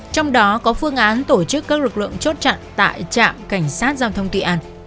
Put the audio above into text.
trong đó có phương án tổ chức các lực lượng chốt chặn tại trạm cảnh sát giao thông tuy an